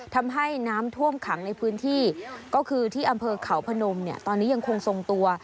ทำให้น้ำท่วมขังในพื้นที่ก็คือที่อำเภอเขาพนมเนี่ยตอนนี้ยังคงทรงตัว